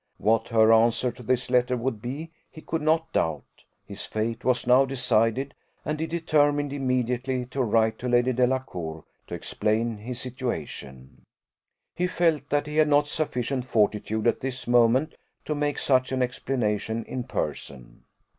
What her answer to this letter would be he could not doubt: his fate was now decided, and he determined immediately to write to Lady Delacour to explain his situation; he felt that he had not sufficient fortitude at this moment to make such an explanation in person.